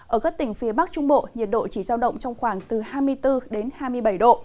ở các tỉnh phía bắc trung bộ nhiệt độ chỉ giao động trong khoảng từ hai mươi bốn đến hai mươi bảy độ